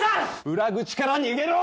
裏口から逃げろ！